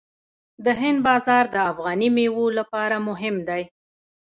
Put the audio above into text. د هند بازار د افغاني میوو لپاره مهم دی.